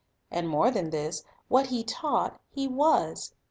And more than this; what He taught, He was.